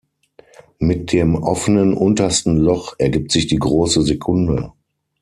Mit dem offenen untersten Loch ergibt sich die große Sekunde.